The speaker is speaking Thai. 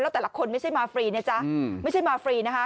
แล้วแต่ละคนไม่ใช่มาฟรีนะจ๊ะไม่ใช่มาฟรีนะคะ